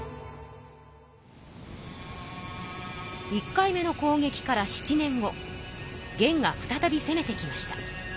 １回目のこうげきから７年後元が再びせめてきました。